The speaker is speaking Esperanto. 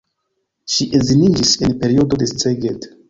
Ŝi edziniĝis en periodo de Szeged.